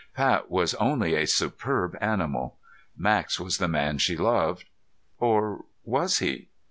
Pat was only a superb animal. Max was the man she loved. Or was he?